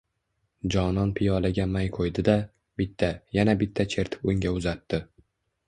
Jonon piyolaga may qoʼydi-da, bitta… yana bitta chertib unga uzatdi…